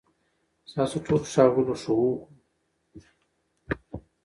ستاسو ټولو، ښاغليو ښوونکو،